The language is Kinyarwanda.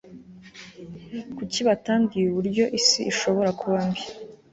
kuki batambwiye uburyo isi ishobora kuba mbi